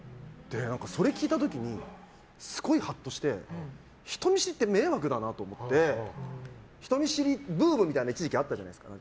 それを聞いた時にすごいハッとして人見知りって迷惑だなと思って人見知りブームみたいな一時期あったじゃないですか。